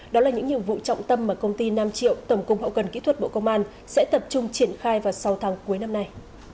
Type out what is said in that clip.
đó là những nhiệm vụ trọng tâm mà công ty nam triệu tổng cục hậu cần kỹ thuật bộ công an sẽ tập trung triển khai vào sáu tháng cuối năm nay